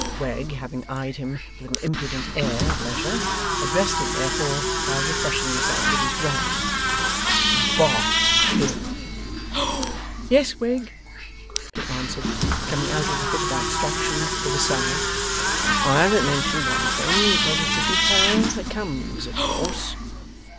Wegg having eyed him with an impudent air at leisure, addressed him, therefore, while refreshing himself with his dram. 'Bof fin!' 'Yes, Wegg,' he answered, coming out of a fit of abstraction, with a sigh. 'I haven't mentioned one thing, because it's a detail that comes of course.